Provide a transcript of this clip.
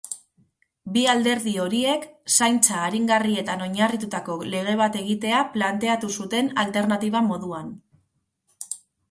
Bi alderdi horiek zaintza aringarrietan oinarritutako lege bat egitea planteatu zuten alternatiba moduan.